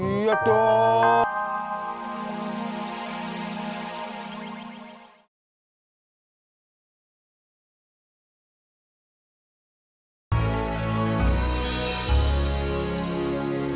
wih duitnya banyak bang